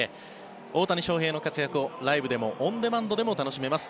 大谷翔平の活躍を、ライブでもオンデマンドでも楽しめます。